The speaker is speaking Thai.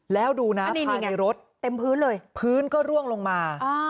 แล้วดูนะภายในรถเต็มพื้นเลยพื้นก็ร่วงลงมา